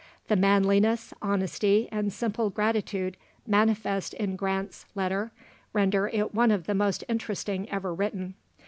The manliness, honesty, and simple gratitude manifest in Grant's letter, render it one of the most interesting ever written.